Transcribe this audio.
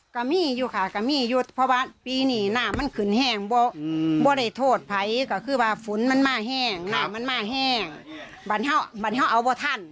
ก็มีอยู่ค่ะก็มีหยุดเพราะว่าปีนี้น้ำมันขึ้นแห้งบ่ได้โทษภัยก็คือว่าฝนมันมาแห้งน้ำมันมาแห้งบรรเทาอัวท่าน